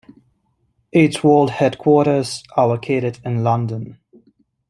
Its world headquarters are located in London.